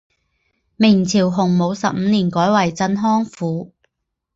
明朝洪武十五年改为镇康府。